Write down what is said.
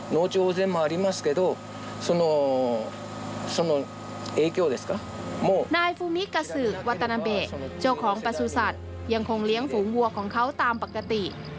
นายฟูมิกาสือกวัตนาเบะเจ้าของประสุทธิ์ยังคงเลี้ยงฝูงวัวของเขาตามปกติ